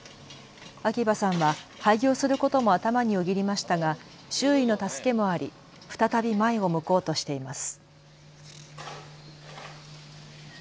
秋葉さんは廃業することも頭によぎりましたが周囲の助けもあり再び前を向こうとしています。